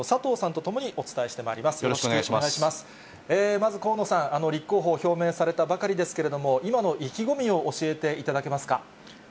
まず河野さん、立候補を表明されたばかりですけれども、今の意気込みを教えていただけますか。